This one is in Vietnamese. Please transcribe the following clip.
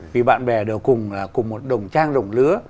vì bạn bè đều cùng một đồng trang đồng lứa